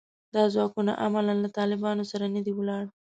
دا ځواکونه عملاً له طالبانو سره نه دي ولاړ